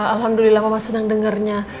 alhamdulillah mama senang dengernya